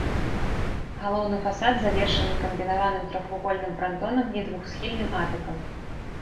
Галоўны фасад завершаны камбінаваным трохвугольным франтонам і двухсхільным атыкам.